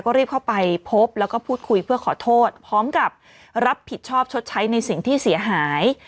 ก็รีบเข้าไปพบแล้วก็พูดคุยเพื่อขอโทษพร้อมกับรับผิดชอบชดใช้ในสิ่งที่เสียหาย